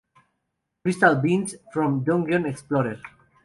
Crystal Beans: From Dungeon Explorer